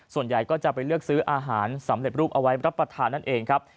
ส่วนใหญ่ก็จะไปเลือกซื้ออาหารสำเร็จรูปเอาไว้รับประทานนั่นเองครับ